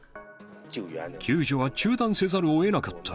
救助は中断せざるをえなかった。